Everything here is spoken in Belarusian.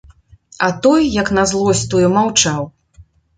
А той як на злосць тую маўчаў.